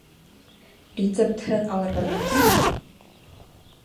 Рецептһыҙ алырға мөмкинме?